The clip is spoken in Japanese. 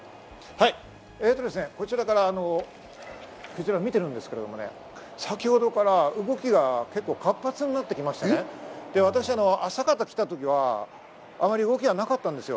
こちらから見ているんですけれどもね、先ほどから動きが結構、活発になってきましてね、私、朝方来た時はあまり動きはなかったんですよ。